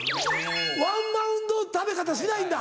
ワンバウンド食べ方しないんだ。